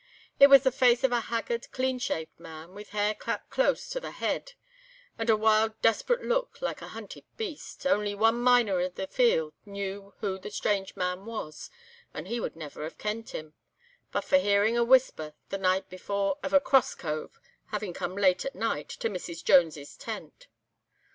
It was the face of a haggard, clean shaved man, with hair cut close to the head, and a wild, desperate look like a hunted beast—only one miner on the field knew who the strange man was, and he would never have kent him, but for hearin' a whisper the night before of a 'cross cove' having come late at night to 'Mrs. Jones's' tent.